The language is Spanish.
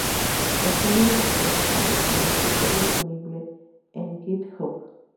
El código de fuente para el proyecto está disponible en GitHub.